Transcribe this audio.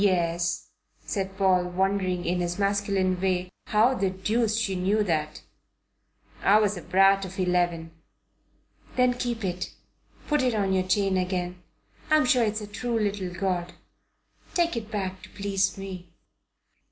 "Yes," said Paul, wondering, in his masculine way, how the deuce she knew that. "I was a brat of eleven." "Then keep it. Put it on your chain again. I'm sure it's a true little god. Take it back to please me."